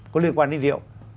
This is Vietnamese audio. có liên quan đến rượu